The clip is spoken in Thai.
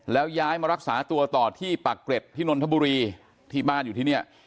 แล้วย้ายมารักษาตัวต่อที่ปากเกร็ดที่นนทบุรีที่บ้านอยู่ที่เนี่ย